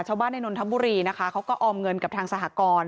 ชาวบ้านในนนทบุรีนะคะเขาก็ออมเงินกับทางสหกร